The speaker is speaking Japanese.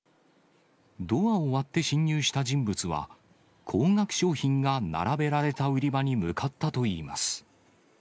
ドアを割って侵入した人物は、高額商品が並べられた売り場に向かったといいます。